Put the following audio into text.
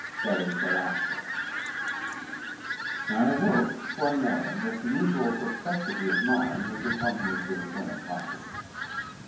SHELLEY'S Alastor. I awoke one morning with the usual perplexity of mind which accompanies the return of consciousness.